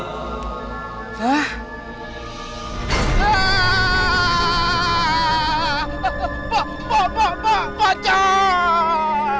sate nya sepuluh porsi ya bang